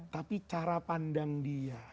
tapi cara pandang dia